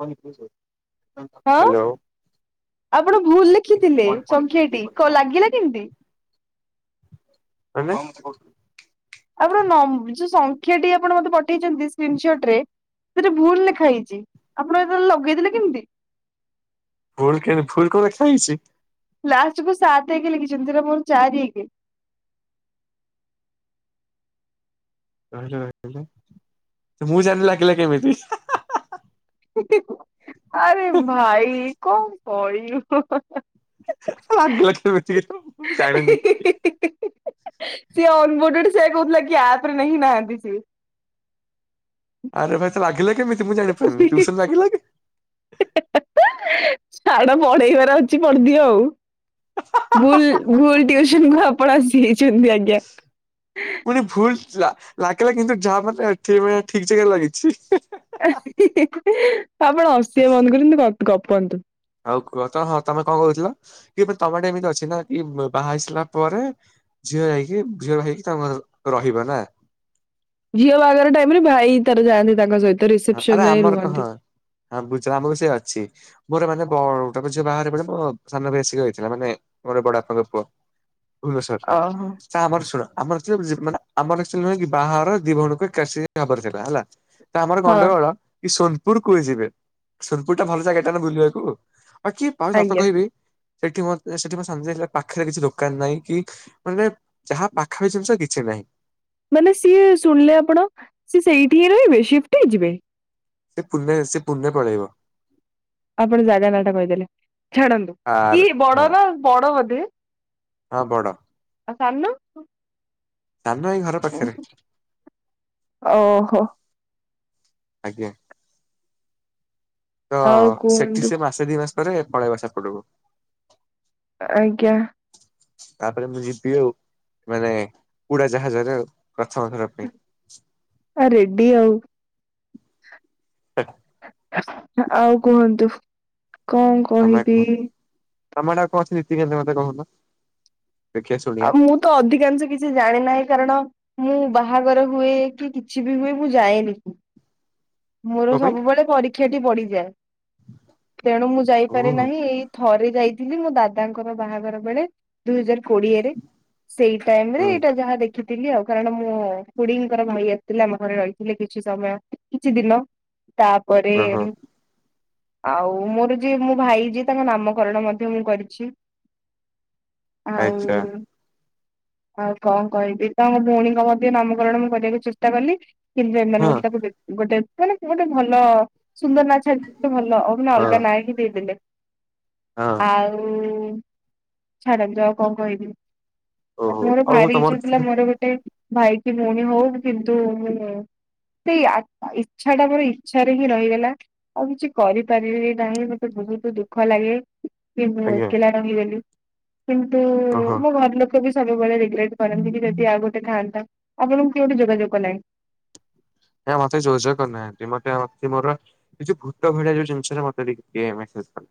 Money ପସ। ହଁ ଆପଣ ଭୁଲ ଲେଖିଥିଲେ ସଂଖ୍ୟାଟି କଲ ଲାଗିଲା କେମତି? ମାନେ ଆପଣ ନଂବ ଯୋଉ ସଂଖ୍ୟା ଟି ଆପଣ ମତେ ପଠେଇଛନ୍ତି ସ୍କ୍ରିନସଟ ରେ ସେଟି ଭୁଲ ଲେଖା ହେଇଛି ଆପଣ ଏତେବେଳେ ଲଗେଇଦେଲେ କେମତି? ଭୁଲ କେଣି ଭୁଲ କଣ ଲେଖା ହେଇଛି? ଲାଷ୍ଟକୁୁ ସାତେ ଏକେ ଲେଖିଛନ୍ତି ସେଟା ମୋର ଚାରି ଏକେ। ତ ମୁଁ ଜାଣିନି ଲାଗିଲା କେମିତି? ଆରେ ଭାଇ କଣ କହିଲୁ ହ ହ ହ ଲାଗିଲା କେମିତି କେଜାଣି ମୁଁ ବି ଜାଣିନି। ସିଏ ଅନବୋଟଡ ସେଆ କହୁଥିଲା କି ଆପ ରେ ନାହିଁ ନା ନାହାନ୍ତି ସିଏ ଆରେ ଭାଇ ତ ଲାଗିଲା କେମିତି ମୁଁ ଜାଣିପାରୁନି ଟ୍ୟୁ ସନ ଲାଗିଲା କି? ଛାଡ ପଢେଇବାର ଅଛି ପଢିଦିଅ ଆଉ ଭୁଲ ଭୁଲ ଟ୍ୟୁସନ କୁ ଆପଣ ଆସି ଯାଇଛନ୍ତି ଆଜ୍ଞା। [inaudible] ପୁଣି ଭୁଲ ଠିଲା ଲାଗିଲା କିନ୍ତୁ ଯାହା ମାନେ ଠିମ ଠିକ ଜାଗାରେ ଲାଗିଛି। ଏ ହିଁ ହିଁ ହିଁ ଆପଣ ହସିବା ବନ୍ଦ କରନ୍ତୁ ଗ ଗପନ୍ତୁ। ଆଉ କୁହ ତ ହଁ ତମେ କଣ କହୁଥିଲ କି ତମ ଆଡେ ଏମିତି ଅଛି ନା କି ବାହା ହେଇସାଲା ପରେ ଝିଅ ଯାଇକି ଝିଅ ହେଇକି ତାଙ୍କ ସ ରହିବ ନାଁ? ଝିଅ ବାହାଘର ଟାଇମ ରେ ଭାଇ ତାର ଯାଆନ୍ତି ତାଙ୍କ ସହିତ ଆରେ ରିସିପସନ ଯାଏଁ ଆମର କହ ରୁହନ୍ତି। ହଁ ବୁ ଯାଆ ଆମ ବି ସେୟା ଅଛି। ମୋର ମାନେ ବ ତମେ ଯୋଉ ବାହାରେ ମୋ ସାନ ଭାଇ ଆସି ରହିଥିଲା ମାନେ ମୋର ବଡା ପାଙ୍କ ପୁଅ। ଭୁବନେଶ୍ୱର ଓହୋ। ରେ। ଆମର ଶୁଣ ଆମର ଆକ୍ଚୁ ହଉଚି ଆମର ଆକ୍ଚୁଆଲି ନୁହେଁ କି ବାହାଘରର ଦି ଭଉଣୀଙ୍କ ଏକାଠି ହବାର ଥିଲା ହେଲା। ତ ଆମର ହଁ ଗଣ୍ଡଗୋଳ କି ସୋନପୁର କୁଏ ଯିବେ ସୋନପୁର ଟା ଭଲ ଜାଗା ଟା ନା ବୁଲିବାକୁ। ବାକି ଭାଇ ସତ ଆଜ୍ଞା କହିବି ଏଠି ମତେ ସେଠିମୋ ସାନଜରିଆ ପାଖରେ କିଛି ଦୋକାନ ନାହିଁ କି ମାନେ ଯାହା ପାଖାପାଖି ଜିନିଷ କିଛି ନାହିଁ। ମାନେ ସିଏ ଶୁଣିଲେ ଆପଣ ସିଏ ସେଇଠି ହିଁ ରହିବେ ସିଫ୍ଟ ହେଇଯିବେ? ସେ ପୁନେ ସେ ପୁନେ ପଳେଇବ। ଆପଣ ଜାଗା ନା ଟା କହିଦେଲେ ଛାଡ଼ନ୍ତୁ କି ଆରେ ବଡ ହଁ। ର ବଡ ବୋଧେ? ହଁ ବଡ। ଆଉ ସାନ? ସାନ ଏଇ ଘର ପାଖେରେ। ଓହୋ। ଆଜ୍ଞା ତ ଆଉ ସେଠି କୁହନ୍ତୁ ସେ ମାସ ସେ ଦି ମାସ ପରେ ପଳେଇବ ସେପଟକୁ। ଆଜ୍ଞା। ତାପରେ ମୁଁ ଯିବି ଆଉ। ମାନେ ଉଡା ଜାହାଜରେ ଆଉ ପ୍ରଥମଥର ପାଇଁ। ଆ ରେଡି ଆଉ। ହେ। ଆଉ କୁହନ୍ତୁ କଣ ତମେ କୁହ, କହିବି? ତମେ ଏଟା କଁ ଅଛି ନୀତି କାରେ ମତେ କହୁନ। ଦେଖିଆ ଶୁଣିଆ ମୁଁ ତ ଅଧିକାଂଶ କିଛି ଜାଣି ନାହିଁ କାରଣ ମୁଁ ବାହାଘର ହୁଏ କି କିଛି ବି ହୁଏ ମୁଁ ଯାଏନି। ମୋର କଣ ପାଇଁ ସବୁବେଳେ ପରୀକ୍ଷାଟି ପଡିଯାଏ। ତେଣୁ ମୁଁ ଯାଇପାରି ଓହୋ ନାହିଁ ଏଇ ଥରେ ଯାଇଥିଲି ମୋ ଦାଦାଙ୍କର ବାହାଘର ବେଳେ। ଦୁଇ ହଜାର କୋଡିଏରେ। ସେଇ ଟାଇମ ରେ ହୁଁ ଏଇଟା ଯାହା ଦେଖିଥିଲି ଆଉ କାରଣ ମୁଁ ଖୁଡିଙ୍କର ଭାଇ ଥିଲେ ଆମ ଘରେ ରହିଥିଲେ କିଛି ସମୟ କିଛି ଦିନ ତାପରେ ଓହୋ ଆଉ ମୋର ଯିଏ ମୋ ଭାଇ ଯିଏ ତାଙ୍କ ନାମକରଣ ମଧ୍ୟ ମୁଁ କରିଚି। ଆଚ୍ଛା ଆଉ ଆଉ କଣ କହିବି ତାଙ୍କ ଭଉଣୀଙ୍କ ମଧ୍ୟ ନାମକରଣ ମୁଁ କରିବାକୁ ଚେଷ୍ଟା କଲି କି ମାନେ ହଁ ଗୋଟେ ତାାକୁ ଗୋଟେ ମାନେ ଗୋଟେ ଭଲ ସୁନ୍ଦର ନା ଛା ଗୋଟେ ଭଲ ହଁ ଅଲଗା ନାଁହିଁ ଦେଇଦେଲେ ହଁ ଆଉ ଉଁ ଛାଡ଼ନ୍ତୁ ଆଉ କଣ କହିବି। ଓହୋ ତାପ ମୋର ଆଉ ଭାରି ଇଛା ତମର ଥିଲା କିଛି ମୋର ଗୋଟେ ଭାଇ କି ଭଉଣି ହୋଉ କିନ୍ତୁ ମୁଁ ସେ ଇଚ୍ଛା ଟା ମୋର ଇଚ୍ଛାରେ ହିଁ ରହିଗଲା। ଆଉ କିଛି କରିପାରିବି ନାହିଁ ମତେ ବୋହୁତ ଦୁଃଖ ଲାଗେ। କି ମୁଁ ଆଜ୍ଞା ଏକଲା ରହିଗଲି କିନ୍ତୁ ଓହୋ ମୋ ଘର ଲୋକ ବି ସବୁବେଳେ ରିଗ୍ରେଟ୍ କରନ୍ତି ଯଦି ଆ ଗୋଟେ ଥାଆନ୍ତା ଆପଣଙ୍କୁ କିଏଗୋଟେ ଯୋଗାଯୋଗ କଲାଣି। ଏ ମତେ ଯୋଜ ଯୋଜ କରିନାହାନ୍ତି ମତେ ମତେ ମୋର ଯୋଉ ଭୂତ ଭଳିଆ ଯଉ ଜିନିଷ ମତେ ଟିକଇଏ ମେସେଜ କଲେ।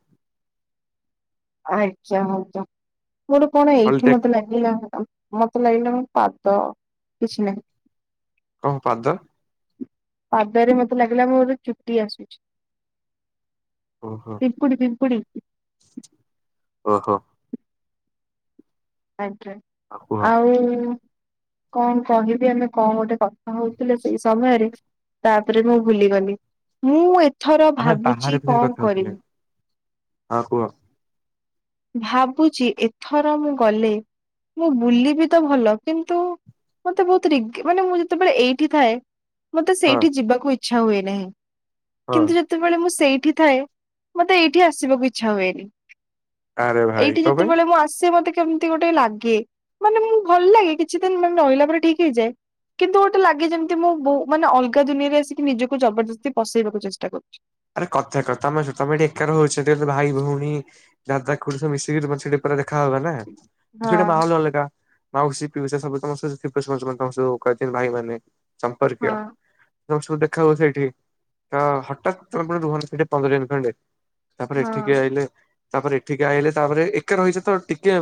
ଆଚ୍ଛା ହୋଉଚ ଗୋଟେ କଣ ଏଇଠି ହଳଦିଆ ମତେ ଲାଗ ଲାଗିଲା ମତେ ଲାଗିଲା ମ ପାଦ କିଛି ନାହିଁ। କଣ ପାଦ। ପାଦରେ ମତେ ଲାଗିଲା ମୋର ଚୁଟି ଆସୁଚି। ଓହୋ ପିମ୍ପୁଡି ପିମ୍ପୁଡ଼ି। ଓହୋ। ଆଜ୍ଞା ଆଉ କୁହ ଆଉ କଣ କହିବି ଆମେ କଣ ଗୋଟେ କଥା ହଉଥିଲେ ସେଇ ସମୟରେ। ତାପରେ ମୁଁ ଭୁଲିଗଲି ମୁଁ ଏଥର ଆମେ ବାହାରେ ଭାବୁଚି ଭିତରେ କଣ କଥା ହଉଥିଲେ କରିବି। ହଁ କୁହ। ଭାବୁଚି ଏଥର ମୁଁ ଗଲେ ମୁଁ ବୁଲିବି ତ ଭଲ କିନ୍ତୁ ମତେ ବୋହୁତ ରିଗ୍ ମାନେ ମୁଁ ଯେତେବେଳେ ଏଇଠି ଥାଏ ମତେ ହଁ ସେଇଠି ଯିବାକୁ ଇଚ୍ଛା ହୁଏ ନାହିଁ ହଁ କିନ୍ତୁ ଯଦି ଯେତେବେଳେ ମୁଁ ସେଇଠି ଥାଏ ମତେ ଏଇଠି ଆସିବାକୁ ଇଚ୍ଛା ହୁଏନି। ଆରେ ଭାଇ ଏଇଠି କଣ ପାଇଁ ଯେତେବେଳେ ମୁଁ ଆସେ ମତେ କେମତି ଗୋଟେ ଲାଗେ ମାନେ ମୁଁ ଭଲ ଲାଗେ କିଛି ଦିନ ମାନେ ରହିଲା ପରେ ଠିକ ହେଇଯାଏ। କିନ୍ତୁ ଗୋଟେ ଲାଗେ ଯେମିତି ମୁଁ ବହୁ ମାନେ ଅଲଗା ଦୁନିଆରେ ଆସିକି ନିଜକୁ ଜବରଦସ୍ତି ପସେଇବାକୁ ଚେଷ୍ଟା କରୁଚି। ଆରେ କଥା କଥା ତମେ ତମେ ଏଠି ଏକା ରହୁଚ ଯେହେତୁ ଭାଇ ଭଉଣୀ ଦାଦା ଖୁଡି ମିଶିକି ତେ ସେଠି ପୁରା ଦେଖା ହବ ନା ସେଇଟା ହଁ ମାହଲ ଅଲଗା। ମାଉସୀ ପିଉସା ସବୁ ତ ତ ସବୁ ଭାଇ ମାନେ ସମ୍ପର୍କୀୟ। ହଁ ତମେ ସବୁ ଦେଖା ହୁଅ ସେଇଠି ତ ହଠାତ୍ ତମେ ପୁଣି ରୁହନି ସେଠି ପନ୍ଦର ଦିନ ଖଣ୍ଡେ ତାପରେ ଏଠିକି ହଁ। ଆଇଲେ ତାପରେ ଏଠିକି ଆଇଲେ ତାପରେ ଏକା ରହିଚ ତ ଟିକେ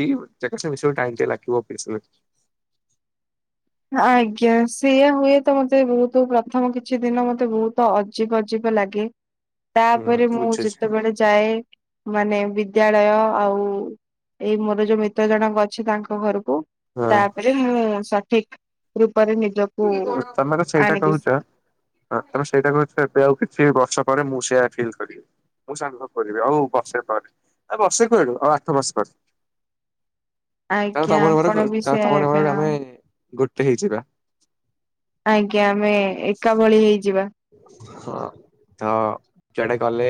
ଏଇ [unintelligible] ଟାଇମ୍ ଟେ ଲାଗିବ [unintelligible] ଆଜ୍ଞା ସେୟା ହୁଏ ତ ମତେ ବୋହୁତ ପ୍ରଥମ କିଛି ଦିନ ମତେ ବୋହୁତ ଅଜ ଅଜିବ ଅଜିବ ଲାଗେ ହୁଁ ତାପରେ ମୁଁ ବୁଝୁଛି ଯେତେବେଳେ ଯାଏ ମାନେ ବିଦ୍ୟାଳୟ ଆଉ ଏଇ ମୋର ଯୋଉ ମିତ୍ର ଜଣକ ଅଛି ତାଙ୍କ ଘରକୁ ହଁ ତାପରେ ମୁଁ ସଠିକ ରୂପରେ ନିଜ ତମେ ତ ସେଇଟା କୋହୁଚ। ହଁ ତମେ ସେଇଟା କହୁଚ ଏବେ ଆଉ କିଛି ବର୍ଷ ପରେ ମୁଁ ସେଆ ଫିଲ୍ କରିବି। ମୁଁ ସାଙ୍ଗ କରିବି ଆଉ ବର୍ଷେ ପରେ ଆ ବର୍ଷେ କୁଆଡୁ ଆଉ ଆଠ ବର୍ଷେ ପରେ। ତା ଆଜ୍ଞା ତମର ଆପଣ ବି ସେ ମୋର ତମେ ଆମେ ଗୋଟେ ହେଇଯିବା। ଆଜ୍ଞା ଆମେ ଏକା ଭଳି ହେଇଯିବା। ହଁ। ତ ଯୁଆଡେ ଗଲେ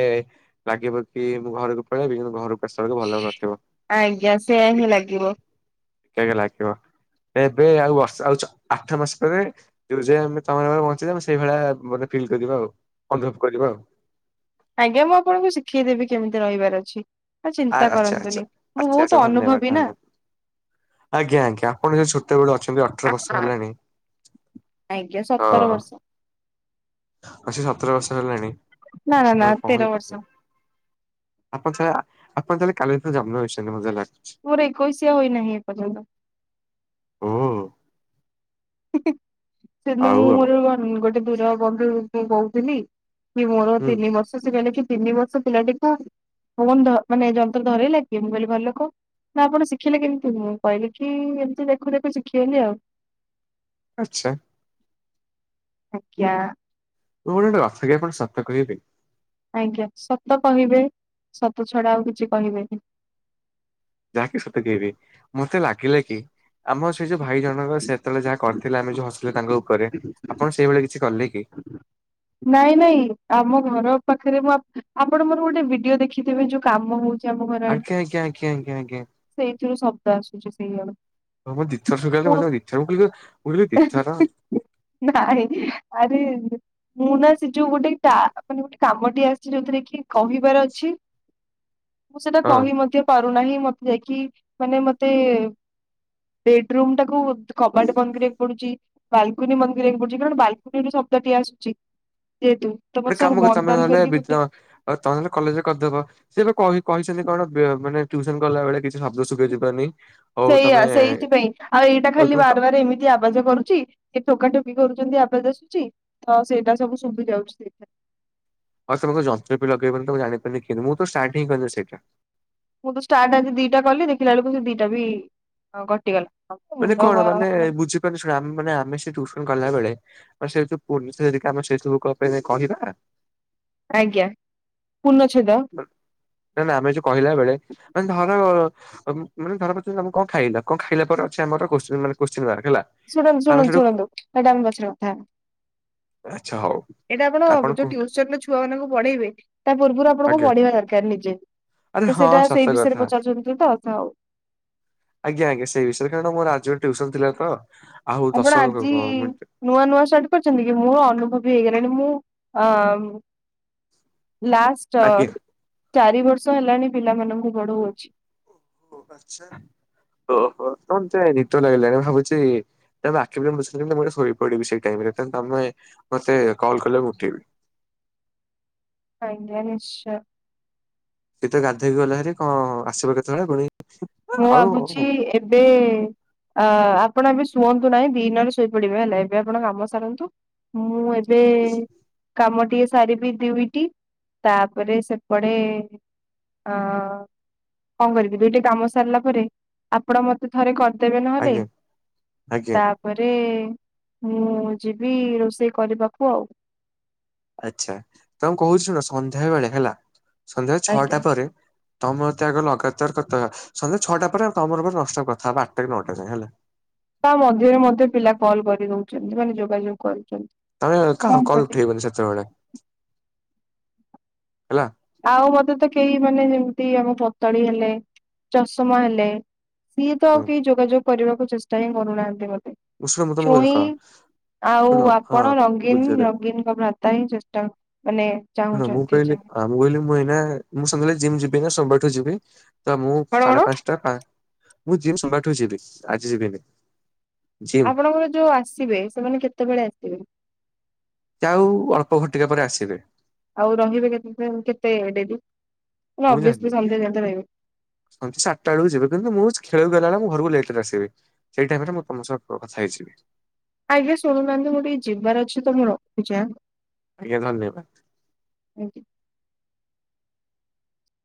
ଲାଗିବ କି ମୁଁ ଘରକୁ ପଳେଇବି କିନ୍ତୁ ଘରକୁ ଭଲ ନଥିବ ଆଜ୍ଞା ସେୟା ହିଁ ଲାଗିବ ଲାଗିବ। ଏବେ ଆଉ ବର୍ଷ ଆଉ ଆଠ ମାସ ପରେ ଯ ଆମେ ତମରରେ ବଞ୍ଚି ଆମେ ସେଇ ଭଳି ମାନେ ଫିଲ୍ କରିବା ଆଉ ଅନୁଭବ କରିବା ଆଉ। ଆଜ୍ଞା ମୁଁ ଆପଣଙ୍କୁ ଶିଖେଇଦେବି କେମିତି ରହିବାର ଅଛି। ଆଉ ଆ ଚିନ୍ତା ଆଚ୍ଛା ଆଚ୍ଛା। କରନ୍ତୁନି ମୁଁ ଆଚ୍ଛା ଆଚ୍ଛା ବହୁତ ଧନ୍ୟବାଦ ଅନୁଭବୀ ନା। ଧନ୍ୟବାଦ ଆଜ୍ଞା ଆଜ୍ଞା ଆପଣ ଯଦି ଛୋଟବେଳୁ ଅଛନ୍ତି ଅଠର ବର୍ଷ ହେଲାଣି। ଆଜ୍ଞା ସତର ବର୍ଷ। ଅ ସତର ବର୍ଷ ହେଲାଣି ନା ନା ନା ତେର କହି କ ବର୍ଷ ଆପଣ ଚାଲେ ଆପଣ ଚାହଲେ କାଲି ଜନ୍ମ ହେଇଛନ୍ତି ମତେ ଯାହା ଲଗୁଛି। ପୋର ଏକୋଇଶିଆ ହୋଇନାହିଁ ଏପର୍ଯ୍ୟନ୍ତ। ହୁ। ସେଦିନ ଆଉ ମୁଁ ଆଉ ମୋର ଗୋଟେ ଦୂର ବନ୍ଧୁ କହୁଥିଲି। କି ମୋର ହୁଁ ତିନି ବର୍ଷ ସେ କିଲ କି ତିନି ବର୍ଷ ପିଲା ଟ ତ ଫନ ମାନେ ଯନ୍ତ୍ର ଧର ଲ କିିବ ମୁ କହିଲି ଭଲକହ। ନା ଆପଣ ଶିଖିଲେ କେମିତି ମୁଁ କହିଲି କି ଏମିତି ଦେଖୁ ଦେଖୁ ଶିଖିଗଲି ଆଉ। ଆଚ୍ଛା। ଆଜ୍ଞା। ମୁଁ ଗୋ ଗୋଟେ [unintelligible] ଆଜ୍ଞା ସତ କହିବେ ସତ ଛଡା ଆଉ କିଛି କହିବେନି। ଯାହାକି ସତଗେଇବି ମତେ ଲାଗିଲା କି ଆମ ସେ ଯୋଉ ଭାଇ ଜଣଙ୍କ ସେ ଯେତେବେଳେ ଯାହା କରିଥିଲେ ଆମେ ଯୋଉ ହସିଲେ ତାଙ୍କ ଉପରେ ଆପଣ ସେଇଭଳି କିଛି କଲେ କି? ନାଇଁ ନାଇଁ ଆମ ଘର ପାଖରେ ମୁଁ ଆପଣ ମୋର ଗୋଟେ ଭିଡିଓ ଦେଖିଥିବେ ଯୋଉ କାମ ହଉଛି। ଆମ ଘର ଆଡେ ଆଜ୍ଞା ଆଜ୍ଞା ଆଜ୍ଞା ଆଜ୍ଞା। ସେଇଥିରୁ ଶବ୍ଦ ଆସୁଛି ସେଇଭଳୁ। [unintelligible] ମୁ କହିଲି ଦିଥର। ନାଇଁ ଆରେ ମୁଁ ନା ସେ ଯୋଉ ଗୋଟେ ମାନେ ଗୋଟେ କାମଟି ଆସି ଯୋଉଥିରେ କି କହିବାର ଅଛି ମୁଁ ସେଟା ହଁ କହି ମଧ୍ୟ ପାରୁନାହିଁ ମତେ ଯାଇକି ମାନେ ମତେ ବେଡ ରୁମ ଟାକୁ କବାଟ ବନ୍ଦ କରିବା ବାଲକୁନି ମନ୍ଦିରକୁ ପଡୁଛି କାରଣ ବାଲକୁନି ରୁ ଶବ୍ଦ ଟିଏ ଆସୁଛି। ଯେହେତୁ ତ ଗୋଟେ ମତେ ସବୁ କାମ କର ବନ୍ଦ ତମେ ବାନ୍ଦ ନହେଲେ କରିକି ବି ଗୋଟେ ଆଉ ତମେହେଲେ କଲେଜରେ କରିଦବ। ସେ ଏବେ କହି କହିଛନ୍ତି କଣ ମାନେ ଟ୍ୟୁସନ କଲା ବେଳେ କିଛି ଶବ୍ଦ ଶୁବା ଯିବାନି। ସେଇଆ ସେଇଥିପାଇଁ ଆଉ ଏଇଟା ଖାଲି ତମେ ବାରବାର ଏମିତି ଯ ଆବାଜ କରୁଛି ସେ ଟୋକା ଟୋକି କରୁଛନ୍ତି। ଆବାଜ ଆସୁଛି ତ ସେଇଟା ସବୁ ଶୁଭି ଯାଉଛି ସେଠାରେ ହଉ ତମ ଯନ୍ତ୍ର ବି ଲଗେଇବନି ଜଣି ପାରି କି ମୁଁ ତ ଷ୍ଟାର୍ଟ ହିଁ କରିବି ସେଇଟା ମୁଁ ତ ଷ୍ଟାର୍ଟ ଆଜି ଦିଟା କଲି ଦେଖିଲା ବେଳକୁ ସେ ଦିଟା ବି କଟ ମାନେ କଣ ମାନେ ବୁଝିପାରୁନୁ ଶୁଣେ ମାନେ ଆମେ ସେ ଟ୍ୟୁସନ କଲା ବେଳେ ଆ ସେଇ ଯୋଉ ପୁର୍ଣିି ଆମ ସେଇ ସବୁ ପାଇଁ କହିବା। ଆଜ୍ଞା ପୂର୍ଣଛେଦ। ନା ନା ଆମେ ଯୋଉ କହିଲା ବେଳେ ମାନେ ଧର ମାନ ଧର ପାରୁଛନ୍ତି ତମେ କଣ ଖାଇଲା କଣ ଖାଇଲା ପରେ ଅଛି ଆମର କୋସ୍ଚିନ୍ ମାର୍କ? ଶୁଣନ୍ତୁ ଆମେ ଶୁଣନ୍ତୁ ସେଠୁ ଶୁଣନ୍ତୁ ସେଇଟା ଆମ ବସିବା କଥା ହେବା। ଆଚ୍ଛା ହଉ ଏଇଟା ଆପଣ ଯୋଉ ଟୁସନ ର ଛୁଆ ମାନଙ୍କୁ ପଢେଇବେ ତା ପୂର୍ବରୁଆପ ଆପଣଙ୍କୁ ଆଜ୍ଞା ପଢିବା ଦରକାର ନିଜେ ଆରେ ତ ହଁ ସେଇଟା ସତ ସେଇ ବିଷୟରେ କଥା ପଚାରୁଛନ୍ତି ତ ଆଉ। ଆଜ୍ଞା ଆଜ୍ଞା ସେଇ ବିଷୟରେ କାରଣ ମୋର ଆଜି ଗୋଟେ ଟ୍ୟୁସନ ଥିଲା ତ ଆଉ ଆପଣ ଦଶ ଆଜି ମିନ ନୂଆ ନୂଆ ସାର୍ଟ କରିଛନ୍ତି କି ମୋର ଅନୁଭବ ହେଇଗଲାଣି ମୁଁ ଅ ଲାଷ୍ଟ ଆଜ୍ଞା। ଚାରି ବର୍ଷ ହେଲାଣି ପିଲାମାନଙ୍କୁ ପଢ଼ଉଅଛି। ଓ ଆଛା ଓହୋ କଣ ସେ ରିଟର୍ଣ ଆଇଲାଣି ଭାବୁଛି ବାକି ବି [inaudible] ମୁ ଶୋଇ ପଡିବି ସେଇ ଟାଇମ ତମେ ମତେ କଲ କଲେ ମୁ ଉଠିବି ଆଜ୍ଞା ନିଶ୍ଚୟ। ଏଇ ତ ଗାଧେଇକି ଗଲାଭାରି କଣ ଆସିବ କେତେବେଳେ ପୁଣି ମୁଁ ଆଉ ଭାବୁଛି ଏବେ ଆ ଆପଣ ଏବେ ଶୁଅନ୍ତୁ ନାହିଁ ଦିିନରେ ଶୋଇପଡିବେ ହେଲା ଏବେ ଆପଣ କାମ ସାରନ୍ତୁ ମୁଁ ଏ ଏବେ କାମ ଟିକେ ସାରିବି ଦୁଇଟି ତାପରେ ସେପଟେ ହ କଣ କରିବି ଦୁଇଟି କାମ ସାରିଲା ପରେ ଆପଣ ମତେ ଥରେ କରିଦେବେ ନହେଲେ ଆଜ୍ଞା ଆଜ୍ଞା ତା ତାପରେ ମୁଁ ଯିବି ରୋଷେଇ କରିବାକୁ ଆଉ। ଆଚ୍ଛା ତମକୁ କହୁଛି ଶୁଣ ସନ୍ଧ୍ୟା ବେଳେ ହେଲା ସନ୍ଧ୍ୟା ଆଜ୍ଞା ଛଅଟା ପରେ ତମେ ମତେ ଆଗ ଲଗାତାର କଥା ସନ୍ଧ୍ୟା ଛଟା ପରେ ତମର ମୋର ନନ୍‌ଷ୍ଟପ୍ କଥା ହବା ଆଟାରୁ ନଅଟା ଯାଏଁ ହେଲା। ତା ମଧ୍ୟରେ ମଧ୍ୟ ପିଲା କଲ କରିଦଉଚନ୍ତି ମାନେ ଯୋଗାଯୋଗ କରୁଛନ୍ତି। ତମେ କାହା କଣ କଲ କରିବା ଉଠେଇବନି ସେତେବେଳେ ହେଲା। ଆଉ ମତେ ତ କେହି ମାନେ ଯେମିତି ଆମ ପତଳି ହେଲେ ଚଷମା ହେଲେ ସିଏ ତ ଆଉ କେହି ଯୋଗାଯୋଗ କରିବାକୁ ଚେଷ୍ଟା ହିଁ କରୁନାହାନ୍ତି ମୋତେ। ହୁଁ ଶୁଣ ମୁଁ ତମକୁ ଛୁଇଁ କହ ଆଉ ଶୁଣ ହଁ ଆପଣ ବୁଝରେ ରଙ୍ଗୀନ ରଙ୍ଗୀନଙ୍କ ଭ୍ରା ତା ଏଇ ଚେଷ୍ଟା ମାନେ ସୁଣ ମୁଁ ଚାହୁଁଛନ୍ତି କହିଲି କଣ ଆ ମୁଁ କହିଲି ମୁଁ ଏଇନା ମୁଁ ସନ୍ଦ୍ୟାବେଳେ ଜିମ ଯିବି ନା ସୋମବାର ଠୁ ଯିବି। ତ ମୁଁ କଣ ସାଢେ ପାଞ୍ଚଟା ପାଞ୍ଚ ମୁଁ ଯିମି ସୋମବାର ଠୁ ଯିବି ଆଜି ଯିବିନି। ଜିମ୍ ଆପଣଙ୍କର ଯୋଉ ଆସିବେ ସେମାନେ କେତେବେଳେ ଆସିବେ। ଯାଉ ଅଳ୍ପ ଘଟିକା ପରେ ଆସିବେ। ଆଉ ରହିବେ କେତେ କେତେ ଡେରି। ମୁଁ ଅବିଅସଲି ଜାଣିନି। ସନ୍ଧ୍ୟା ଯାଏଁ ତ ରହିବେ ହଁ ଚାରିଟା ବେଳକୁ ଯିବେ କିନ୍ତୁ ମୁଁ ଖେଳକୁ ଗଲାବେଳେ ମୁଁ ଘରକୁ ଲେଟେରେ ଆସିବି। ସେଇ ଟାଇମିରେ ମୁଁ ତମ ସହ କଥା ହେଇଯିବି। ଆଜ୍ଞା ଶୁଣୁନାହାନ୍ତି ମୁଁ ଟିକେ ଯିବାର ଅଛି ତ ମୁଁ ରଖୁଛି ଆଁ। ଆଜ୍ଞା ଧନ୍ୟବାଦ। ଆଜ୍ଞା।